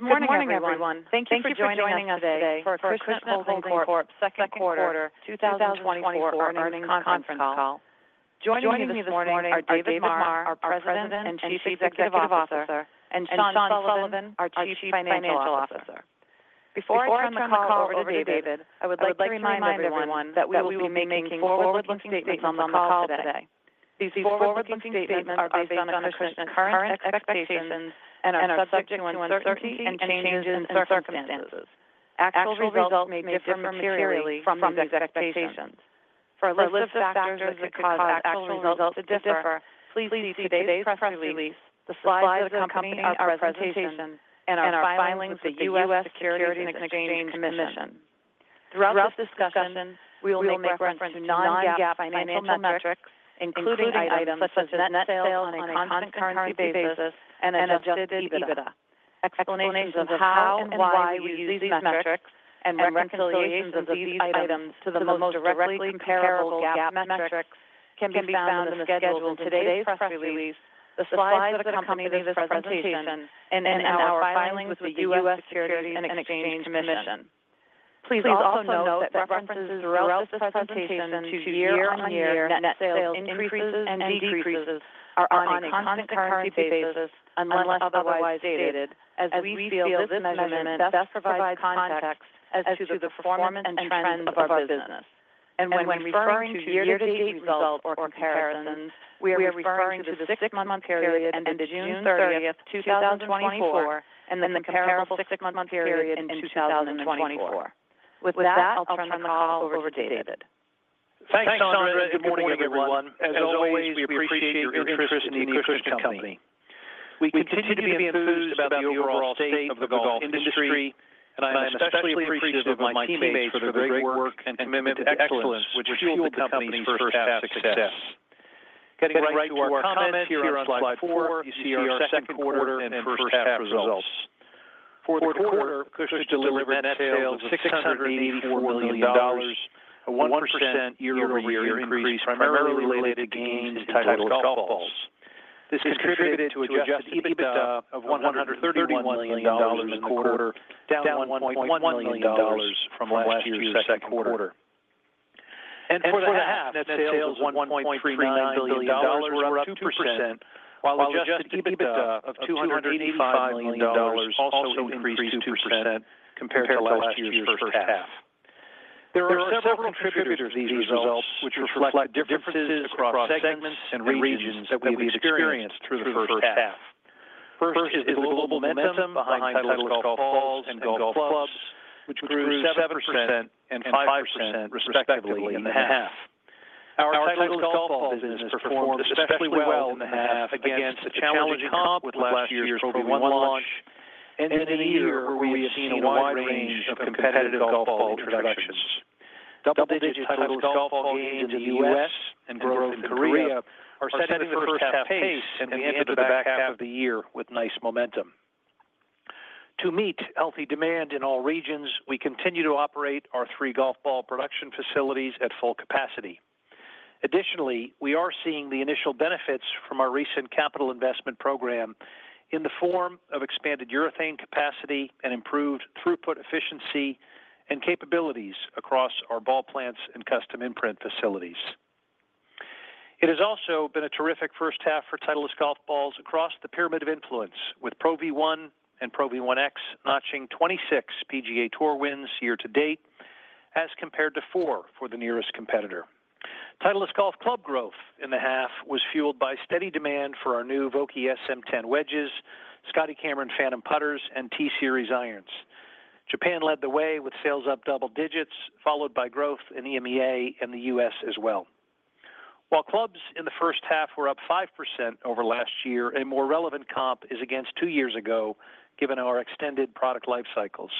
Good morning, everyone. Thank you for joining us today for our Acushnet Holdings Corp. second quarter 2024 earnings conference call. Joining me this morning are David Maher, our President and Chief Executive Officer, and Sean Sullivan, our Chief Financial Officer. Before I turn the call over to David, I would like to remind everyone that we will be making forward-looking statements on the call today. These forward-looking statements are based on Acushnet's current expectations and are subject to uncertainty and changes in circumstances. Actual results may differ materially from these expectations. For a list of factors that could cause actual results to differ, please see today's press release, the slides that accompany our presentation, and our filings with the U.S. Securities and Exchange Commission. Throughout this discussion, we will make reference to non-GAAP financial metrics, including items such as net sales on a constant currency basis and adjusted EBITDA. Explanations of how and why we use these metrics and reconciliations of these items to the most directly comparable GAAP metrics can be found in the schedule in today's press release, the slides that accompany this presentation, and in our filings with the U.S. Securities and Exchange Commission. Please also note that references throughout this presentation to year-on-year net sales increases and decreases are on a constant currency basis, unless otherwise stated, as we feel this measurement best provides context as to the performance and trends of our business. When referring to year-to-date results or comparisons, we are referring to the six-month period ending June 30, 2024, and the comparable six-month period in 2024. With that, I'll turn the call over to David. Thanks, Sondra, and good morning, everyone. As always, we appreciate your interest in the Acushnet Company. We continue to be enthused about the overall state of the golf industry, and I'm especially appreciative of my teammates for their great work and commitment to excellence, which fueled the company's first half success. Getting right to our comments here on slide four, you see our second quarter and first half results. For the quarter, Acushnet delivered net sales of $684 million, a 1% year-over-year increase, primarily related to gains in Titleist Golf Balls. This contributed to Adjusted EBITDA of $131 million in the quarter, down $1.1 million from last year's second quarter. For the half, net sales of $1.39 billion were up 2%, while adjusted EBITDA of $285 million also increased 2% compared to last year's first half. There are several contributors to these results, which reflect differences across segments and regions that we've experienced through the first half. First is the global momentum behind Titleist Golf Balls and Golf Clubs, which grew 7% and 5%, respectively, in the half. Our Titleist Golf Ball business performed especially well in the half against a challenging comp with last year's Pro V1 launch, and in a year where we have seen a wide range of competitive golf ball introductions. Double-digit Titleist Golf Ball gains in the U.S. and growth in Korea are setting the first half pace and the end of the back half of the year with nice momentum. To meet healthy demand in all regions, we continue to operate our three golf ball production facilities at full capacity. Additionally, we are seeing the initial benefits from our recent capital investment program in the form of expanded urethane capacity and improved throughput efficiency and capabilities across our ball plants and custom imprint facilities. It has also been a terrific first half for Titleist Golf Balls across the Pyramid of Influence, with Pro V1 and Pro V1x notching 26 PGA Tour wins year-to-date, as compared to four for the nearest competitor. Titleist golf club growth in the half was fueled by steady demand for our new Vokey SM10 wedges, Scotty Cameron Phantom putters, and T-Series irons. Japan led the way with sales up double digits, followed by growth in EMEA and the U.S. as well. While clubs in the first half were up 5% over last year, a more relevant comp is against two years ago, given our extended product life cycles.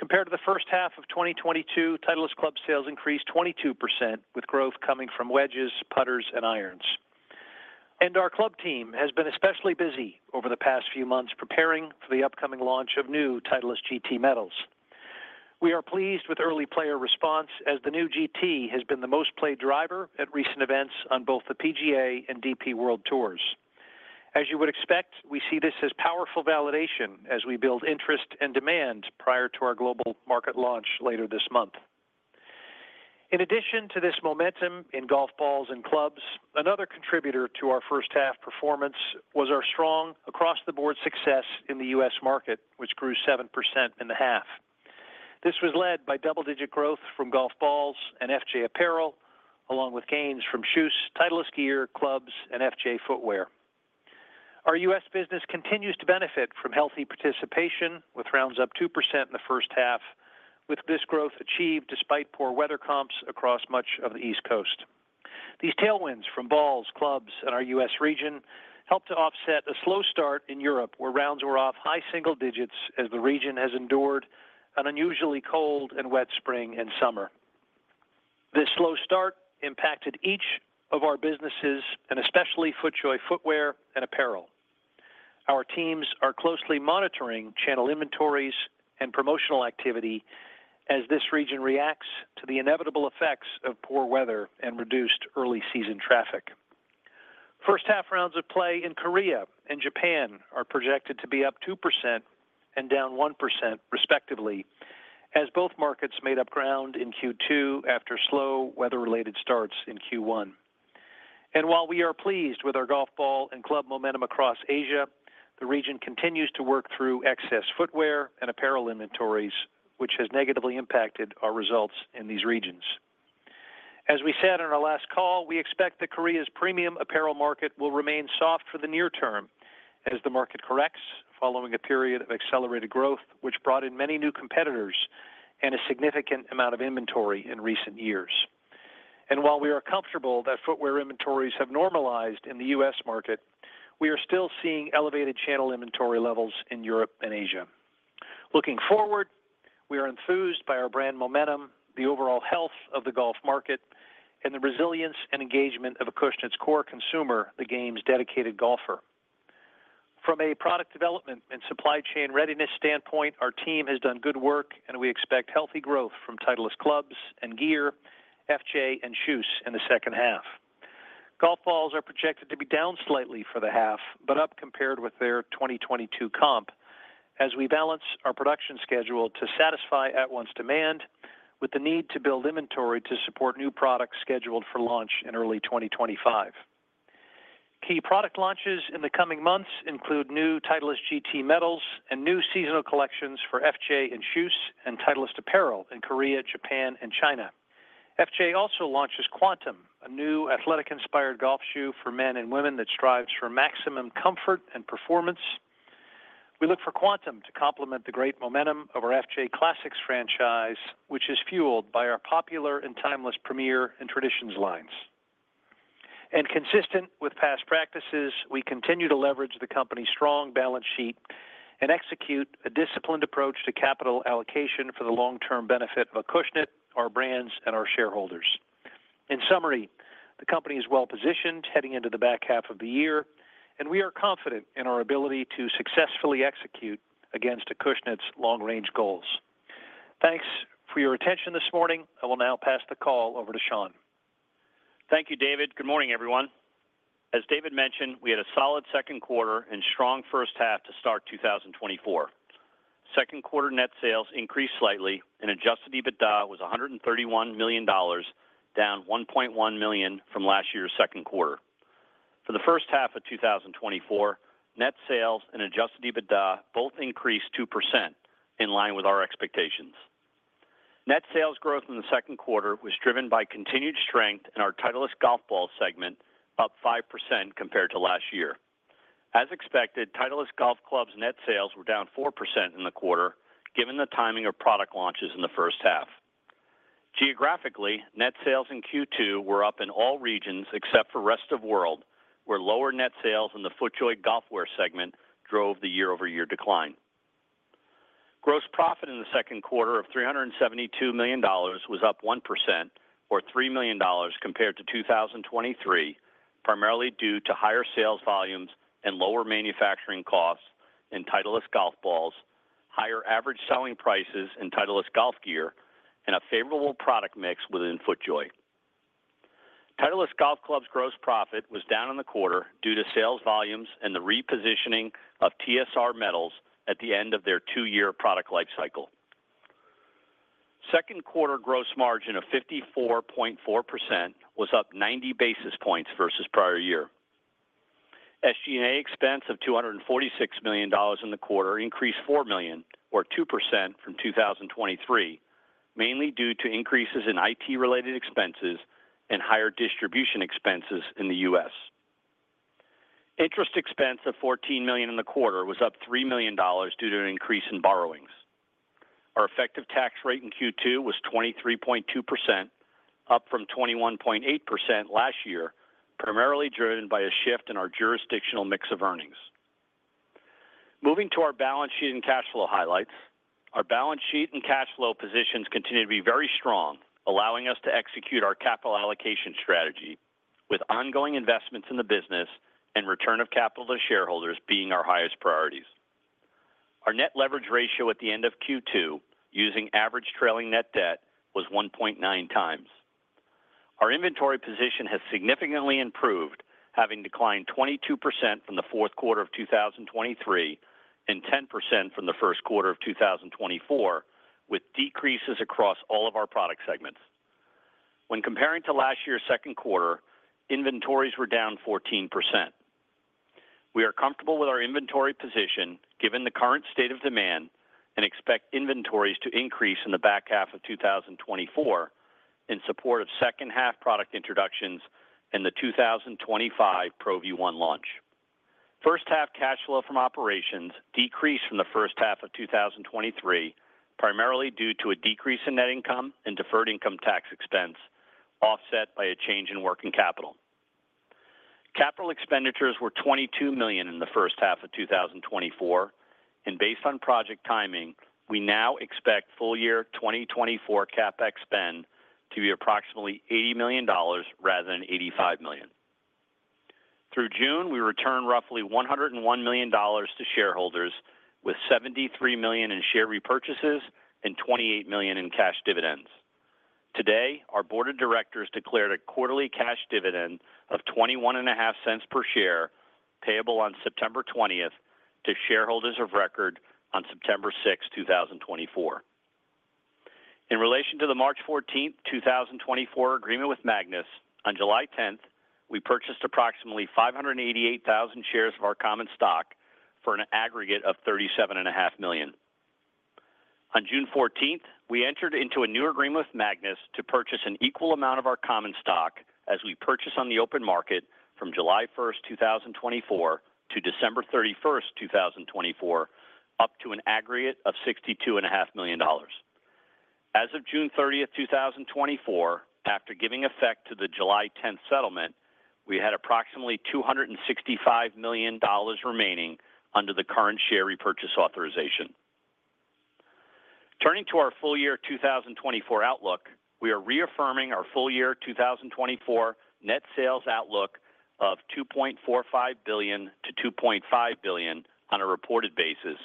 Compared to the first half of 2022, Titleist club sales increased 22%, with growth coming from wedges, putters, and irons. Our club team has been especially busy over the past few months preparing for the upcoming launch of new Titleist GT metals. We are pleased with early player response, as the new GT has been the most played driver at recent events on both the PGA and DP World Tours. As you would expect, we see this as powerful validation as we build interest and demand prior to our global market launch later this month. In addition to this momentum in Golf Balls and Clubs, another contributor to our first half performance was our strong across-the-board success in the U.S. market, which grew 7% in the half. This was led by double-digit growth from Golf Balls and FJ Apparel, along with gains from shoes, Titleist gear, clubs, and FJ footwear. Our U.S. business continues to benefit from healthy participation, with rounds up 2% in the first half, with this growth achieved despite poor weather comps across much of the East Coast. These tailwinds from balls, clubs, and our U.S. region helped to offset a slow start in Europe, where rounds were off high single digits as the region has endured an unusually cold and wet spring and summer. This slow start impacted each of our businesses, and especially FootJoy footwear and apparel. Our teams are closely monitoring channel inventories and promotional activity as this region reacts to the inevitable effects of poor weather and reduced early season traffic. First half rounds of play in Korea and Japan are projected to be up 2% and down 1% respectively, as both markets made up ground in Q2 after slow weather-related starts in Q1. And while we are pleased with our golf ball and club momentum across Asia, the region continues to work through excess footwear and apparel inventories, which has negatively impacted our results in these regions. As we said on our last call, we expect that Korea's premium apparel market will remain soft for the near-term as the market corrects following a period of accelerated growth, which brought in many new competitors and a significant amount of inventory in recent years. While we are comfortable that footwear inventories have normalized in the U.S. market, we are still seeing elevated channel inventory levels in Europe and Asia. Looking forward, we are enthused by our brand momentum, the overall health of the golf market, and the resilience and engagement of Acushnet's core consumer, the game's dedicated golfer. From a product development and supply chain readiness standpoint, our team has done good work, and we expect healthy growth from Titleist clubs and gear, FJ, and Shoes in the second half. Golf balls are projected to be down slightly for the half, but up compared with their 2022 comp, as we balance our production schedule to satisfy at-once demand, with the need to build inventory to support new products scheduled for launch in early 2025. Key product launches in the coming months include new Titleist GT metals and new seasonal collections for FJ shoes and Titleist apparel in Korea, Japan, and China. FJ also launches Quantum, a new athletic inspired golf shoe for men and women that strives for maximum comfort and performance. We look for Quantum to complement the great momentum of our FJ Classics franchise, which is fueled by our popular and timeless Premiere and Traditions lines. And consistent with past practices, we continue to leverage the company's strong balance sheet and execute a disciplined approach to capital allocation for the long-term benefit of Acushnet, our brands, and our shareholders. In summary, the company is well positioned heading into the back half of the year, and we are confident in our ability to successfully execute against Acushnet's long-range goals. Thanks for your attention this morning. I will now pass the call over to Sean. Thank you, David. Good morning, everyone. As David mentioned, we had a solid second quarter and strong first half to start 2024. Second quarter net sales increased slightly and Adjusted EBITDA was $131 million, down $1.1 million from last year's second quarter. For the first half of 2024, net sales and Adjusted EBITDA both increased 2% in line with our expectations. Net sales growth in the second quarter was driven by continued strength in our Titleist Golf Ball segment, up 5% compared to last year. As expected, Titleist Golf Clubs net sales were down 4% in the quarter, given the timing of product launches in the first half. Geographically, net sales in Q2 were up in all regions except for Rest of World, where lower net sales in the FootJoy Golf Wear segment drove the year-over-year decline. Gross profit in the second quarter of $372 million was up 1% or $3 million compared to 2023, primarily due to higher sales volumes and lower manufacturing costs in Titleist Golf Balls, higher average selling prices in Titleist Golf Gear, and a favorable product mix within FootJoy. Titleist Golf Clubs gross profit was down in the quarter due to sales volumes and the repositioning of TSR metals at the end of their two-year product lifecycle. Second quarter gross margin of 54.4% was up 90 basis points versus prior-year. SG&A expense of $246 million in the quarter increased $4 million, or 2% from 2023, mainly due to increases in IT-related expenses and higher distribution expenses in the U.S. Interest expense of $14 million in the quarter was up $3 million due to an increase in borrowings. Our effective tax rate in Q2 was 23.2%, up from 21.8% last year, primarily driven by a shift in our jurisdictional mix of earnings. Moving to our balance sheet and cash flow highlights. Our balance sheet and cash flow positions continue to be very strong, allowing us to execute our capital allocation strategy with ongoing investments in the business and return of capital to shareholders being our highest priorities. Our net leverage ratio at the end of Q2, using average trailing net debt, was 1.9x. Our inventory position has significantly improved, having declined 22% from the fourth quarter of 2023, and 10% from the first quarter of 2024, with decreases across all of our product segments. When comparing to last year's second quarter, inventories were down 14%. We are comfortable with our inventory position given the current state of demand, and expect inventories to increase in the back half of 2024 in support of second half product introductions and the 2025 Pro V1 launch. First half cash flow from operations decreased from the first half of 2023, primarily due to a decrease in net income and deferred income tax expense, offset by a change in working capital. Capital expenditures were $22 million in the first half of 2024, and based on project timing, we now expect full year 2024 CapEx spend to be approximately $80 million rather than $85 million. Through June, we returned roughly $101 million to shareholders, with $73 million in share repurchases and $28 million in cash dividends. Today, our board of directors declared a quarterly cash dividend of $0.215 per share, payable on September 20, to shareholders of record on September 6, 2024. In relation to the March 14, 2024 agreement with Magnus, on July 10, we purchased approximately 588,000 shares of our common stock for an aggregate of $37.5 million. On June 14, we entered into a new agreement with Magnus to purchase an equal amount of our common stock as we purchase on the open market from July 1, 2024 to December 31, 2024, up to an aggregate of $62.5 million. As of June 30, 2024, after giving effect to the July 10 settlement, we had approximately $265 million remaining under the current share repurchase authorization. Turning to our full year 2024 outlook, we are reaffirming our full year 2024 net sales outlook of $2.45 billion-$2.5 billion on a reported basis,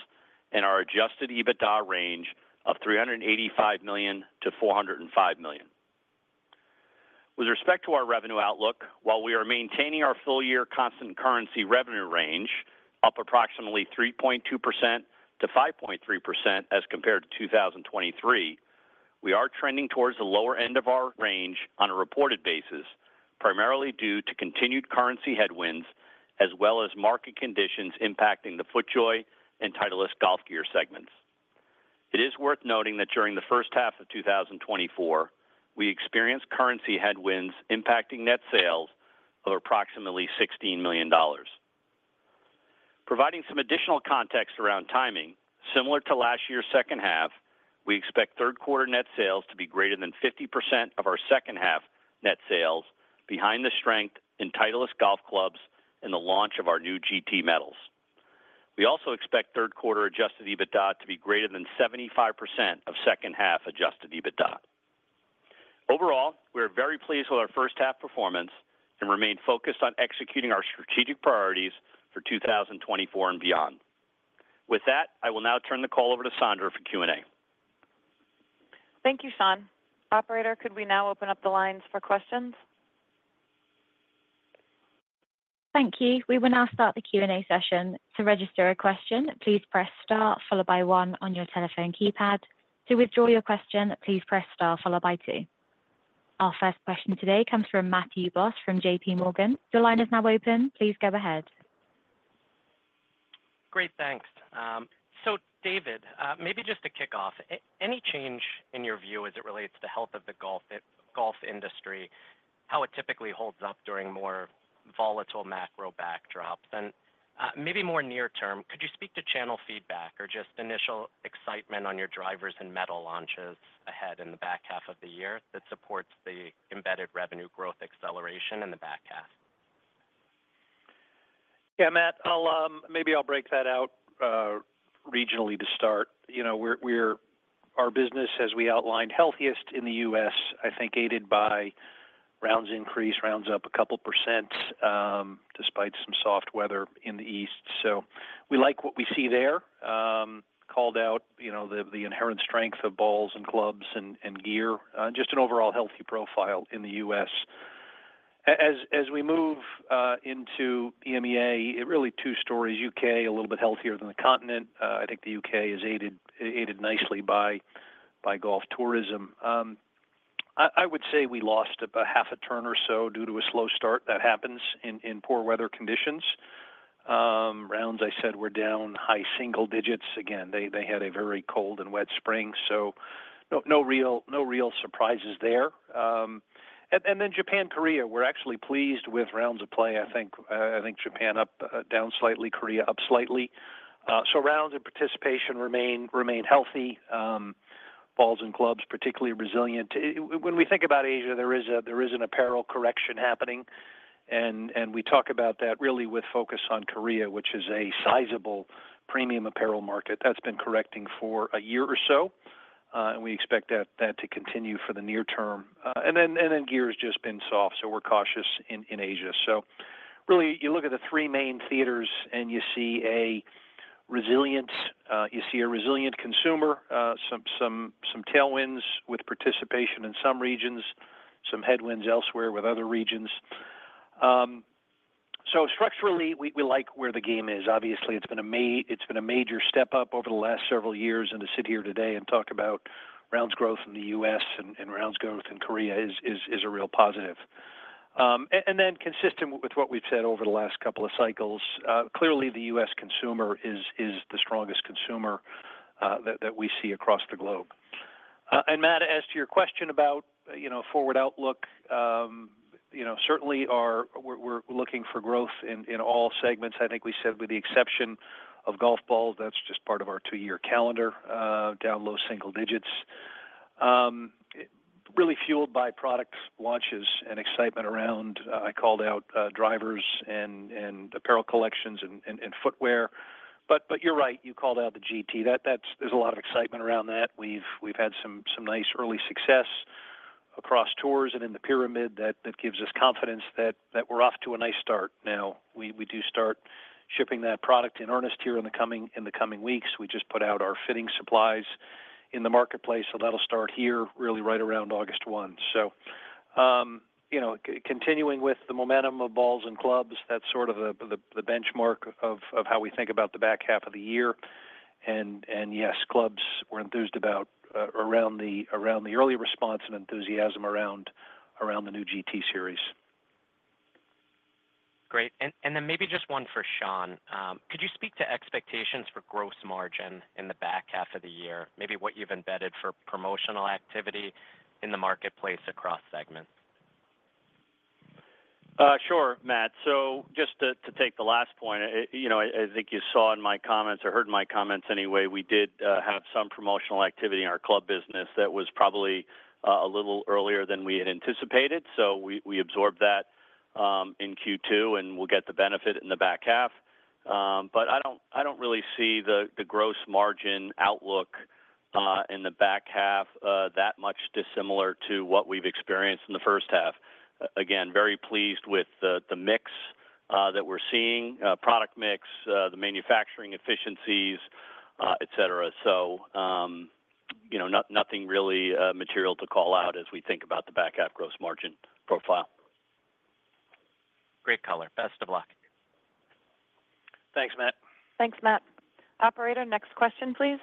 and our Adjusted EBITDA range of $385 million-$405 million. With respect to our revenue outlook, while we are maintaining our full year constant currency revenue range up approximately 3.2%-5.3% as compared to 2023, we are trending towards the lower end of our range on a reported basis, primarily due to continued currency headwinds, as well as market conditions impacting the FootJoy and Titleist Golf Gear segments. It is worth noting that during the first half of 2024, we experienced currency headwinds impacting net sales of approximately $16 million. Providing some additional context around timing, similar to last year's second half, we expect third quarter net sales to be greater than 50% of our second half net sales, behind the strength in Titleist Golf Clubs and the launch of our new GT metals. We also expect third quarter adjusted EBITDA to be greater than 75% of second half Adjusted EBITDA. Overall, we are very pleased with our first half performance and remain focused on executing our strategic priorities for 2024 and beyond. With that, I will now turn the call over to Sondra for Q&A. Thank you, Sean. Operator, could we now open up the lines for questions? Thank you. We will now start the Q&A session. To register a question, please press star followed by one on your telephone keypad. To withdraw your question, please press star followed by two. Our first question today comes from Matthew Boss from JPMorgan. Your line is now open. Please go ahead. Great, thanks. So David, maybe just to kick off, any change in your view as it relates to health of the golf industry, how it typically holds up during more volatile macro backdrops? And, maybe more near-term, could you speak to channel feedback or just initial excitement on your drivers and metal launches ahead in the back half of the year that supports the embedded revenue growth acceleration in the back half? Yeah, Matt, I'll maybe break that out regionally to start. You know, we're our business, as we outlined, healthiest in the U.S., I think aided by rounds increase, rounds up 2%, despite some soft weather in the east. So we like what we see there. Called out, you know, the inherent strength of balls and clubs and gear, just an overall healthy profile in the U.S. As we move into EMEA, really two stories, U.K., a little bit healthier than the continent. I think the U.K. is aided nicely by golf tourism. I would say we lost about half a turn or so due to a slow start that happens in poor weather conditions. Rounds, I said, were down high single digits. Again, they had a very cold and wet spring, so no real surprises there. And then Japan, Korea, we're actually pleased with rounds of play. I think Japan up, down slightly, Korea up slightly. So rounds and participation remain healthy, balls and clubs particularly resilient. When we think about Asia, there is an apparel correction happening, and we talk about that really with focus on Korea, which is a sizable premium apparel market that's been correcting for a year or so, and we expect that to continue for the near-term. And then gear has just been soft, so we're cautious in Asia. So really, you look at the three main theaters and you see a resilience, you see a resilient consumer, some tailwinds with participation in some regions, some headwinds elsewhere with other regions. So structurally, we like where the game is. Obviously, it's been a major step up over the last several years, and to sit here today and talk about rounds growth in the U.S. and rounds growth in Korea is a real positive. And then consistent with what we've said over the last couple of cycles, clearly the U.S. consumer is the strongest consumer that we see across the globe. And Matt, as to your question about, you know, forward outlook, you know, certainly we're looking for growth in all segments. I think we said with the exception of Golf Balls, that's just part of our two-year calendar, down low single digits. Really fueled by product launches and excitement around, I called out, drivers and apparel collections and footwear. But you're right, you called out the GT. That there's a lot of excitement around that. We've had some nice early success across tours and in the pyramid that gives us confidence that we're off to a nice start. Now, we do start shipping that product in earnest here in the coming weeks. We just put out our fitting supplies in the marketplace, so that'll start here, really, right around August 1. So, you know, continuing with the momentum of balls and clubs, that's sort of the benchmark of how we think about the back half of the year. And yes, clubs, we're enthused about the early response and enthusiasm around the new GT series. Great. And then maybe just one for Sean. Could you speak to expectations for gross margin in the back half of the year? Maybe what you've embedded for promotional activity in the marketplace across segments. Sure, Matt. So just to take the last point, you know, I think you saw in my comments or heard in my comments anyway, we did have some promotional activity in our Club business that was probably a little earlier than we had anticipated. So we absorbed that in Q2, and we'll get the benefit in the back half. But I don't really see the gross margin outlook in the back half that much dissimilar to what we've experienced in the first half. Again, very pleased with the mix that we're seeing, product mix, the manufacturing efficiencies, etc. So, you know, nothing really material to call out as we think about the back half gross margin profile. Great color. Best of luck. Thanks, Matt. Thanks, Matt. Operator, next question, please.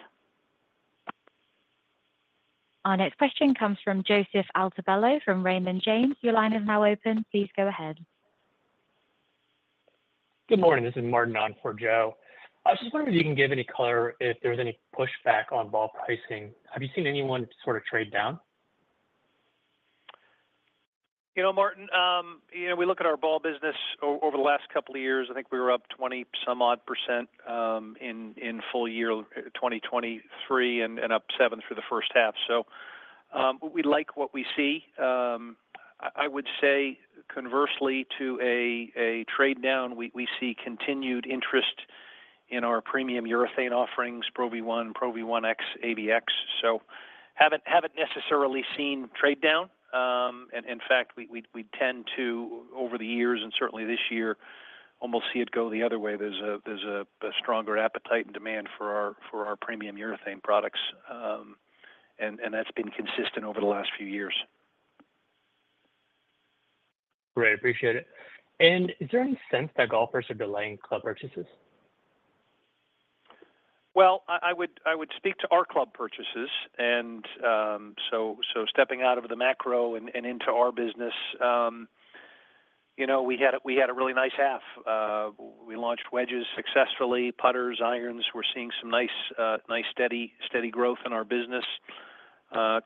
Our next question comes from Joseph Altobello from Raymond James. Your line is now open. Please go ahead. Good morning. This is Martin on for Joe. I was just wondering if you can give any color, if there was any pushback on ball pricing. Have you seen anyone sort of trade down? You know, Martin, you know, we look at our ball business over the last couple of years. I think we were up 20-some odd percent in full year 2023 and up 7% for the first half. So, we like what we see. I would say conversely to a trade down, we see continued interest in our premium urethane offerings, Pro V1, Pro V1x, AVX. So haven't necessarily seen trade down. And in fact, we tend to, over the years and certainly this year, almost see it go the other way. There's a stronger appetite and demand for our premium urethane products, and that's been consistent over the last few years. Great. Appreciate it. And is there any sense that golfers are delaying club purchases? Well, I would speak to our club purchases. And, so stepping out of the macro and into our business, you know, we had a really nice half. We launched wedges successfully, putters, irons. We're seeing some nice, steady growth in our business.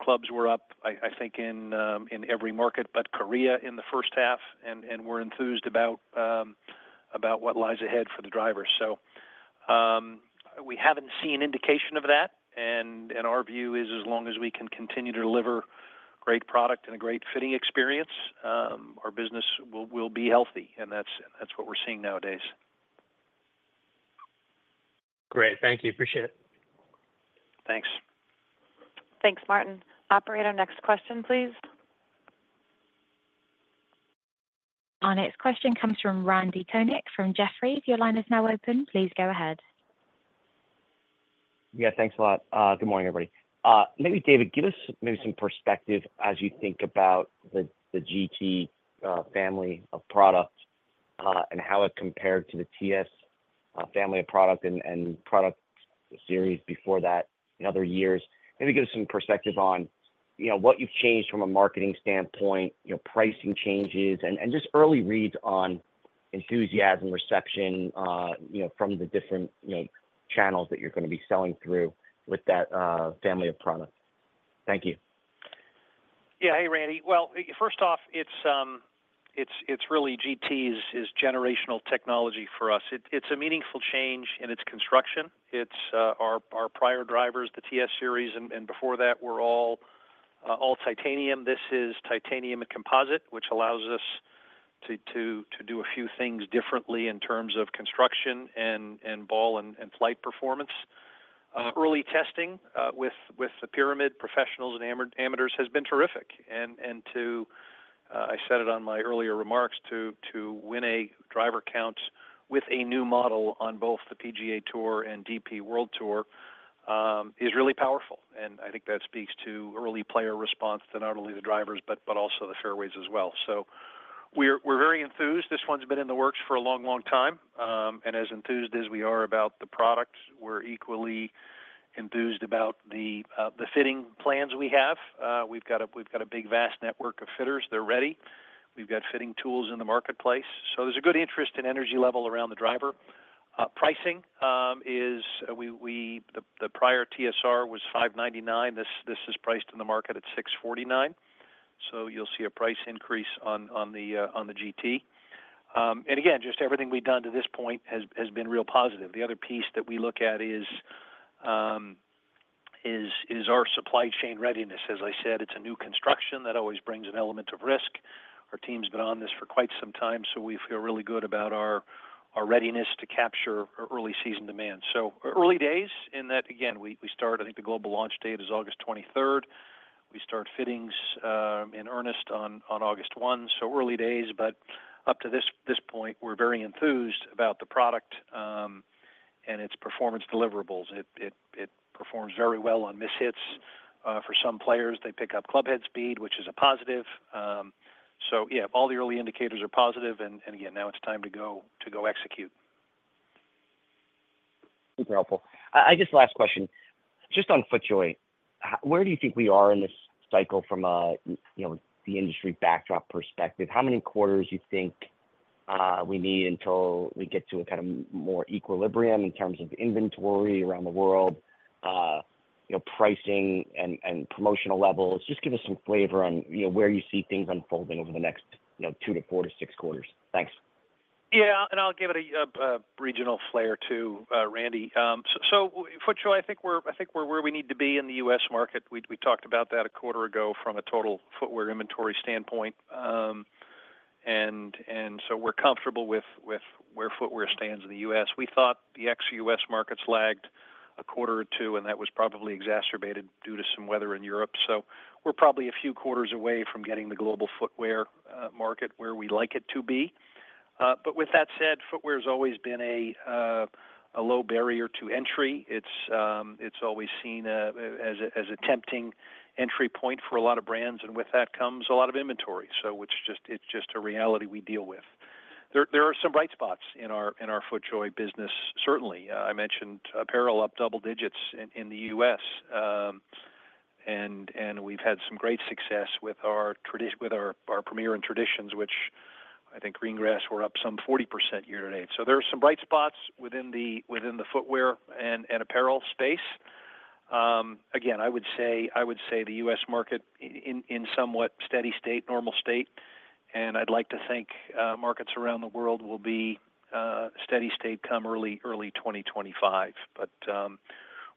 Clubs were up, I think, in every market but Korea in the first half, and we're enthused about what lies ahead for the drivers. So, we haven't seen indication of that, and our view is as long as we can continue to deliver great product and a great fitting experience, our business will be healthy, and that's what we're seeing nowadays. Great. Thank you. Appreciate it. Thanks. Thanks, Martin. Operator, next question, please. Our next question comes from Randy Konik from Jefferies. Your line is now open. Please go ahead. Yeah, thanks a lot. Good morning, everybody. Maybe David, give us maybe some perspective as you think about the GT family of products, and how it compared to the TS family of product and product series before that in other years. Maybe give us some perspective on, you know, what you've changed from a marketing standpoint, you know, pricing changes, and just early reads on enthusiasm, reception, you know, from the different channels that you're going to be selling through with that family of products. Thank you. Yeah. Hey, Randy. Well, first off, it's really GT is generational technology for us. It's a meaningful change in its construction. It's our prior drivers, the TS series, and before that, were all titanium. This is titanium and composite, which allows us to do a few things differently in terms of construction and ball and flight performance. Early testing with the Pyramid professionals and amateurs has been terrific. And to, I said it on my earlier remarks, to win a driver count with a new model on both the PGA Tour and DP World Tour, is really powerful, and I think that speaks to early player response to not only the drivers, but also the fairways as well. So we're very enthused. This one's been in the works for a long, long time. As enthused as we are about the products, we're equally enthused about the fitting plans we have. We've got a big, vast network of fitters; they're ready. We've got fitting tools in the marketplace, so there's a good interest and energy level around the driver. Pricing is the prior TSR was $599. This is priced in the market at $649, so you'll see a price increase on the GT. Again, just everything we've done to this point has been real positive. The other piece that we look at is our supply chain readiness. As I said, it's a new construction, that always brings an element of risk. Our team's been on this for quite some time, so we feel really good about our readiness to capture early season demand. So early days in that, again, we start, I think the global launch date is August 23. We start fittings in earnest on August one, so early days, but up to this point, we're very enthused about the product and its performance deliverables. It performs very well on mishits. For some players, they pick up clubhead speed, which is a positive. So yeah, all the early indicators are positive, and again, now it's time to go execute. Super helpful. I just last question, just on FootJoy, where do you think we are in this cycle from a, you know, the industry backdrop perspective? How many quarters you think, we need until we get to a kind of more equilibrium in terms of inventory around the world, you know, pricing and, and promotional levels? Just give us some flavor on, you know, where you see things unfolding over the next, you know, two to four to six quarters. Thanks. Yeah, and I'll give it a regional flair too, Randy. So FootJoy, I think we're where we need to be in the U.S. market. We talked about that a quarter ago from a total footwear inventory standpoint. So we're comfortable with where footwear stands in the U.S. We thought the ex-U.S. markets lagged a quarter or two, and that was probably exacerbated due to some weather in Europe. So we're probably a few quarters away from getting the global footwear market where we'd like it to be. But with that said, footwear's always been a low barrier to entry. It's always seen as a tempting entry point for a lot of brands, and with that comes a lot of inventory, so which just it's just a reality we deal with. There are some bright spots in our FootJoy business, certainly. I mentioned apparel up double digits in the U.S. And we've had some great success with our Premiere and Traditions, which I think green grass were up some 40% year-to-date. So there are some bright spots within the footwear and apparel space. Again, I would say the U.S. market in somewhat steady state, normal state, and I'd like to think markets around the world will be steady state come early 2025. But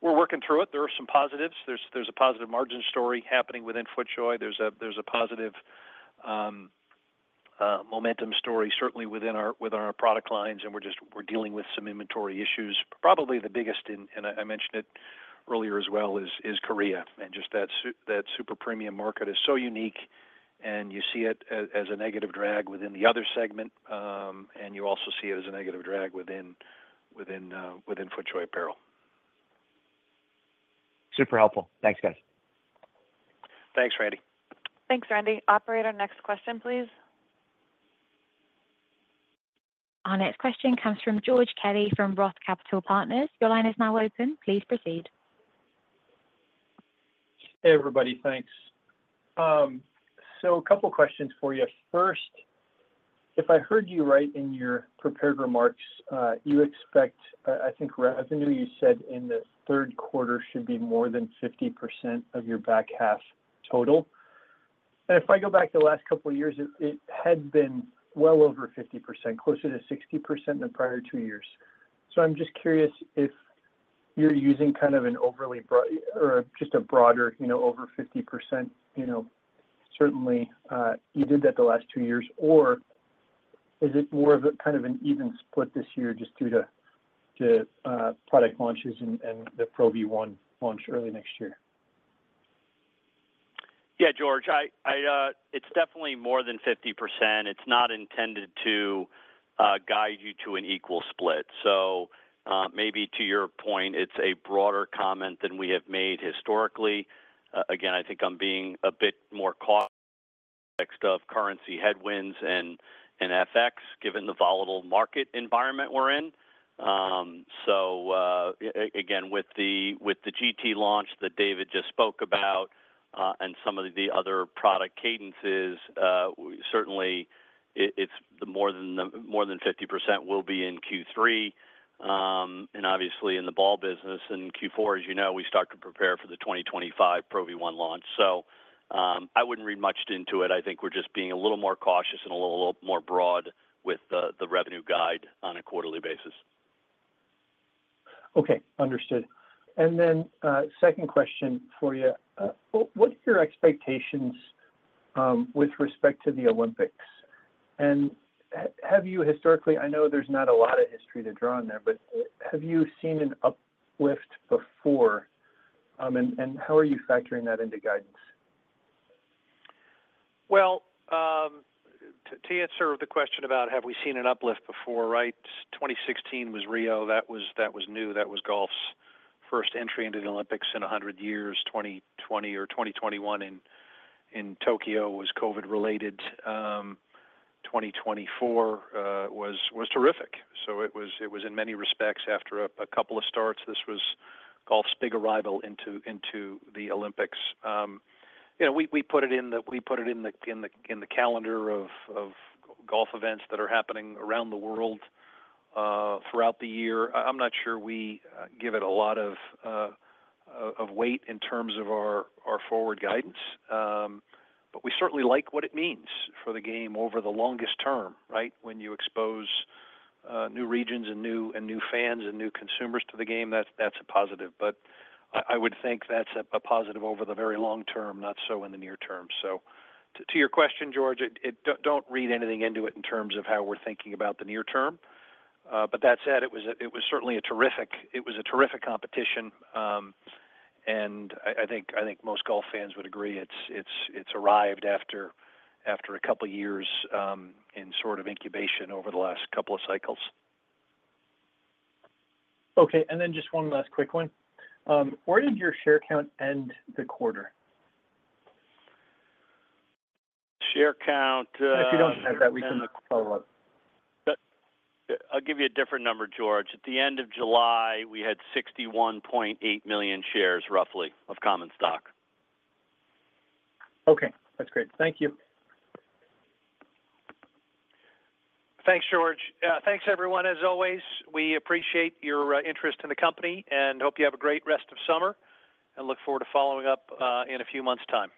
we're working through it. There are some positives. There's a positive margin story happening within FootJoy. There's a positive momentum story, certainly within our product lines, and we're dealing with some inventory issues. Probably the biggest, and I mentioned it earlier as well, is Korea, and just that super premium market is so unique, and you see it as a negative drag within the other segment, and you also see it as a negative drag within FootJoy apparel. Super helpful. Thanks, guys. Thanks, Randy. Thanks, Randy. Operator, next question, please. Our next question comes from George Kelly from Roth Capital Partners. Your line is now open. Please proceed. Hey, everybody, thanks. So a couple questions for you. First, if I heard you right in your prepared remarks, you expect, I think revenue, you said in the third quarter, should be more than 50% of your back half total. And if I go back the last couple of years, it had been well over 50%, closer to 60% in the prior two years. So I'm just curious if you're using kind of an overly broad or just a broader, you know, over 50%, you know, certainly you did that the last two years, or is it more of a, kind of an even split this year just due to product launches and the Pro V1 launch early next year? Yeah, George, it's definitely more than 50%. It's not intended to guide you to an equal split. So, maybe to your point, it's a broader comment than we have made historically. Again, I think I'm being a bit more cautious of currency headwinds and FX, given the volatile market environment we're in. So, again, with the GT launch that David just spoke about, and some of the other product cadences, certainly it's more than 50% will be in Q3. And obviously in the ball business in Q4, as you know, we start to prepare for the 2025 Pro V1 launch. So, I wouldn't read much into it. I think we're just being a little more cautious and a little more broad with the revenue guide on a quarterly basis. Okay, understood. And then, second question for you. What are your expectations with respect to the Olympics? And have you historically, I know there's not a lot of history to draw on there, but have you seen an uplift before? And how are you factoring that into guidance? Well, to answer the question about have we seen an uplift before, right? 2016 was Rio. That was new. That was golf's first entry into the Olympics in 100 years. 2020 or 2021 in Tokyo was COVID-related. 2024 was terrific. So it was in many respects, after a couple of starts, this was golf's big arrival into the Olympics. You know, we put it in the calendar of golf events that are happening around the world throughout the year. I'm not sure we give it a lot of weight in terms of our forward guidance, but we certainly like what it means for the game over the longest term, right? When you expose new regions and new fans and new consumers to the game, that's a positive. But I would think that's a positive over the very long-term, not so in the near-term. So to your question, George, it. Don't read anything into it in terms of how we're thinking about the near-term. But that said, it was certainly a terrific competition, and I think most golf fans would agree, it's arrived after a couple of years in sort of incubation over the last couple of cycles. Okay, and then just one last quick one. Where did your share count end the quarter? Share count. If you don't have that, we can follow up. But I'll give you a different number, George. At the end of July, we had 61.8 million shares, roughly, of common stock. Okay, that's great. Thank you. Thanks, George. Thanks, everyone. As always, we appreciate your interest in the company and hope you have a great rest of summer, and look forward to following up in a few months' time.